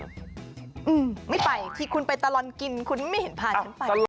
อืมไม่ไปที่คุณไปตลอดกินคุณไม่เห็นพาฉันไปด้วย